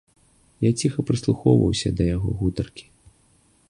Я ціха прыслухоўваўся да яго гутаркі.